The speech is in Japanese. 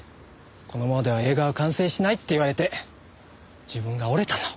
このままでは映画は完成しないって言われて自分が折れたの。